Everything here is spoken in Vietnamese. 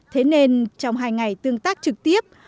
thế nên trong hai ngày tương tác trực tiếp